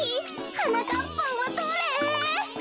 はなかっぱんはどれ？